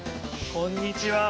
こんにちは。